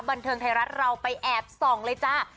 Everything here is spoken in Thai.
บันเทิงไทยรัฐเราไปแอบส่องเลยจ้า